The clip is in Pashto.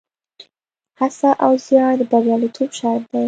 هڅه او زیار د بریالیتوب شرط دی.